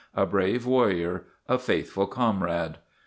A BRAVE WARRIOR. A FAITHFUL COMRADE.